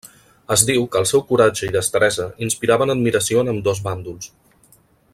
Es diu que el seu coratge i destresa inspiraven admiració en ambdós bàndols.